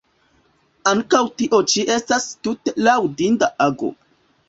Ankaŭ tio ĉi estas tute laŭdinda ago.